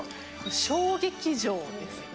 小劇場ですね。